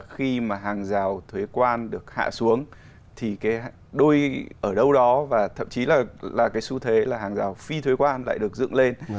khi mà hàng rào thuế quan được hạ xuống thì cái đôi ở đâu đó và thậm chí là cái xu thế là hàng rào phi thuế quan lại được dựng lên